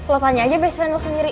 lo tanya aja best friend lo sendiri